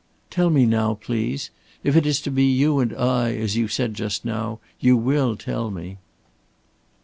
"Tell me now, please. If it is to be 'you and I,' as you said just now, you will tell me."